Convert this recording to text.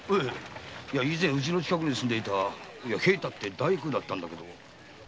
以前家の近くに住んでいた平太という大工だったんですよ。